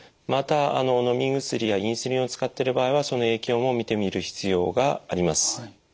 またあののみ薬やインスリンを使ってる場合はその影響も見てみる必要があります。